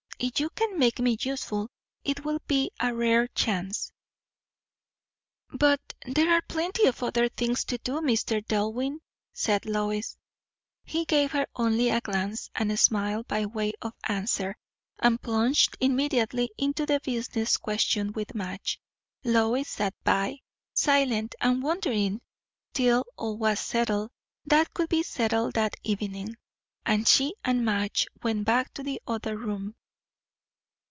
If you can make me useful, it will be a rare chance." "But there are plenty of other things to do, Mr. Dillwyn," said Lois. He gave her only a glance and smile by way of answer, and plunged immediately into the business question with Madge. Lois sat by, silent and wondering, till all was settled that could be settled that evening, and she and Madge went back to the other room.